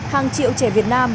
hàng triệu trẻ việt nam